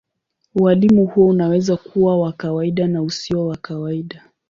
Ualimu huo unaweza kuwa wa kawaida na usio wa kawaida.